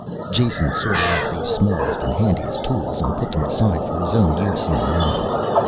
Jason sorted out the smallest and handiest tools and put them aside for his own use in the morning.